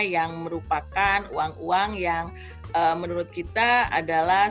yang merupakan uang uang yang menurut kita adalah